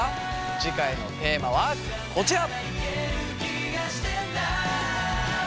次回のテーマはこちら！